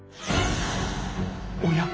おや？